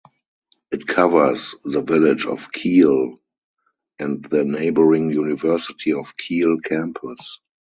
It covers the village of Keele and the neighbouring University of Keele campus.